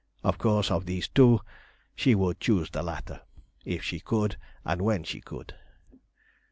Of course, of these two she would choose the latter if she could and when she could.